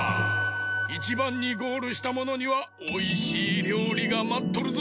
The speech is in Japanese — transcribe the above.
１ばんにゴールしたものにはおいしいりょうりがまっとるぞ。